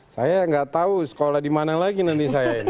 saya tidak tahu sekolah dimana lagi nanti saya